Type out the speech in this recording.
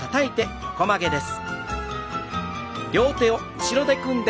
横曲げです。